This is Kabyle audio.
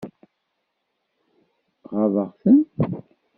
Ɣaḍeɣ-ten?